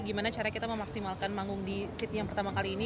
gimana cara kita memaksimalkan manggung di sydney yang pertama kali ini